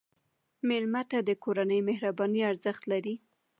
مېلمه ته د کورنۍ مهرباني ارزښت لري.